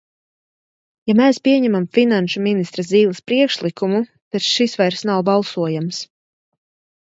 Ja mēs pieņemam finansu ministra Zīles priekšlikumu, tad šis vairs nav balsojams.